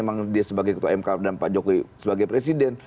memang dia sebagai ketua mk dan pak jokowi sebagai presiden